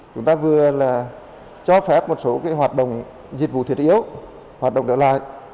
chúng ta vừa là cho phép một số hoạt động dịch vụ thiệt yếu hoạt động đỡ lại